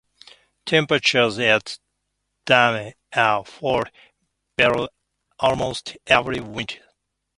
Temperatures at Dome A fall below almost every winter.